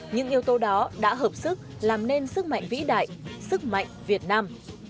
những yếu tố đó đã hợp sức làm nên sức mạnh vĩ đại sức mạnh việt nam